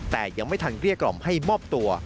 แต่ยังไม่ทันเกลี้ยกล่อมให้มอบตัว